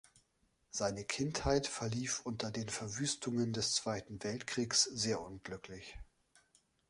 Seine Kindheit verlief unter den Verwüstungen des Zweiten Weltkriegs sehr unglücklich.